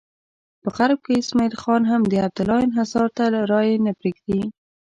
په غرب کې اسماعیل خان هم د عبدالله انحصار ته رایې نه پرېږدي.